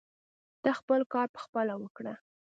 ته خپل کار پخپله وکړه.